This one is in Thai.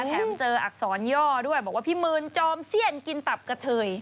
แถมเจออักษรย่อด้วยบอกว่าพี่มืนจอมเสี้ยนกินตับกะเทย